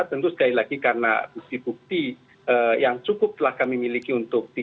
tentu sekali lagi karena bukti bukti yang cukup telah kami miliki untuk